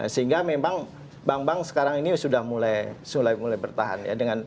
sehingga memang bank bank sekarang ini sudah mulai bertahan